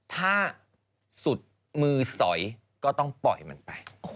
ถ้าสุดมือสอยก็ต้องปล่อยมันไป